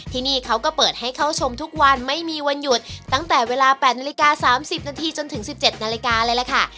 ที่นี่เขาก็เปิดให้เข้าชมทุกวันไม่มีวันหยุดตั้งแต่เวลา๘นาฬิกา๓๐นาทีจนถึง๑๗นาฬิกาเลยล่ะค่ะ